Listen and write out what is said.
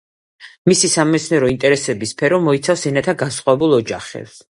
მისი სამეცნიერო ინტერესების სფერო მოიცავს ენათა განსხვავებულ ოჯახებს.